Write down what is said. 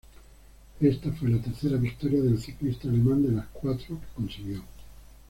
Esta fue la tercera victoria del ciclista alemán de las cuatro que consiguió.